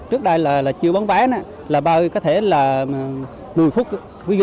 trước đây là chưa bán vé là bơi có thể là một mươi phút